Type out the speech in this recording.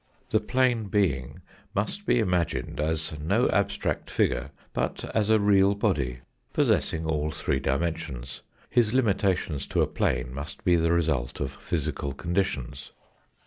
The plane being must be imagined as no abstract figure, but as a real body possessing all three 63 dimensions. His limitation to a plane must be the result of physical conditions.